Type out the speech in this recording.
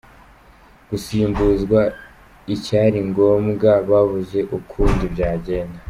Gusimbuzwa icyari ngombwa babuze ukundi byagenda.